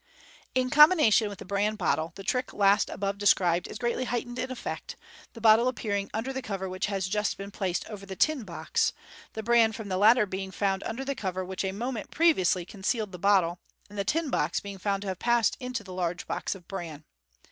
In combination with the Bran Bottle, the trick last above described is greatly heightened in effect, the bottle appearing under the cover which has just been placed over the tin box — the bran from the latter deing found under the cover which a moment previously concealed the bottle, and the tin box being found to have passed into the large box of bran.